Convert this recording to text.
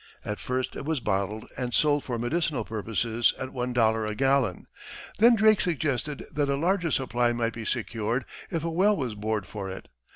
At first it was bottled and sold for medicinal purposes at one dollar a gallon; then Drake suggested that a larger supply might be secured if a well was bored for it.